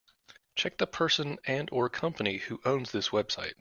Check the person and/or company who owns this website.